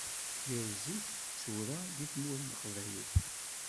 Gar zik d tura deg tmurt n leqbayel.